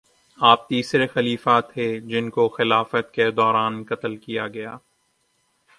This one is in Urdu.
آپ تیسرے خلیفہ تھے جن کو خلافت کے دوران قتل کیا گیا